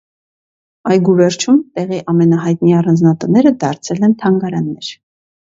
Այգու վերջում, տեղի ամենահայտնի առանձնատները դարձել են թանգարաններ։